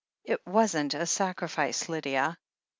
It wasn't a sacrifice, Lydia.